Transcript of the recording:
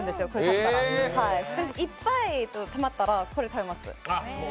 ストレスいっぱいたまったらこれ食べます。